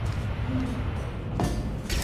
Нимом!